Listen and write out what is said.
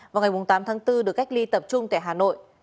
vào ngày tám tháng bốn được cách ly tập trung tại hà nội